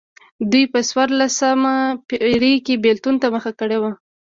دوی په څوارلسمه پېړۍ کې بېلتون ته مخه کړې وه.